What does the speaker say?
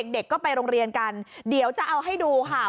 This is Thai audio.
เด็กก็ไปโรงเรียนกันเดี๋ยวจะเอาให้ดูค่ะ